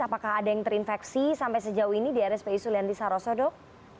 apakah ada yang terinfeksi sampai sejauh ini di rspi sulianti saroso dok